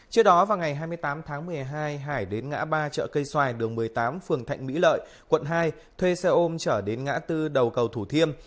trước đó vào ngày hai mươi tám tháng một mươi hai hải đến ngã ba chợ cây xoài đường một mươi tám phường thạnh mỹ lợi quận hai thuê xe ôm trở đến ngã tư đầu cầu thủ thiêm